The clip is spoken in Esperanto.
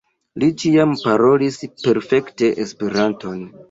Li ĉiam parolis perfekte Esperanton.